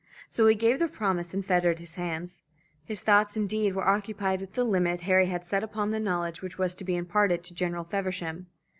So he gave the promise and fettered his hands. His thoughts, indeed, were occupied with the limit Harry had set upon the knowledge which was to be imparted to General Feversham.